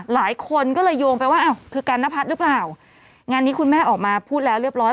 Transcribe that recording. หลายคนก็เลยโยงไปว่าอ้าวคือกันนพัฒน์หรือเปล่างานนี้คุณแม่ออกมาพูดแล้วเรียบร้อย